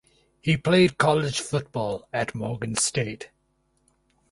He played college football at Morgan State.